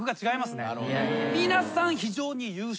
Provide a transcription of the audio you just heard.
皆さん非常に優秀。